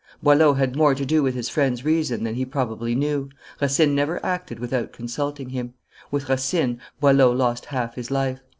Boileau had more to do with his friend's reason than he probably knew. Racine never acted without consulting him. With Racine, Boileau lost half his life.